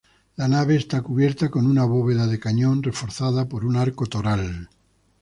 La nave está cubierta con una bóveda de cañón reforzada por un arco toral.